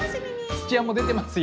土屋も出てますよ